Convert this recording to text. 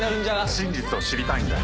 「真実を知りたいんだよ」